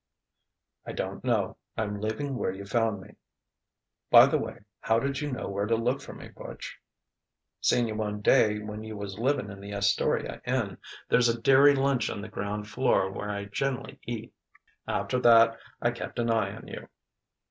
"I don't know. I'm leaving where you found me. By the way, how did you know where to look for me, Butch?" "Seen you one day when you was livin' in the Astoria Inn. There's a dairy lunch on the ground floor where I gen'ly eat. After that I kept an eye on you."